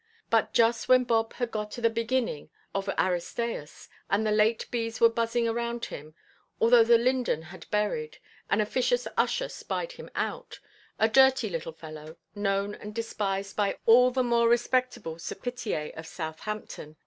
But just when Bob had got to the beginning of Aristæus, and the late bees were buzzing around him, although the linden had berried, an officious usher spied him out—a dirty little fellow, known and despised by all the more respectable σιωπητέαι of Southampton.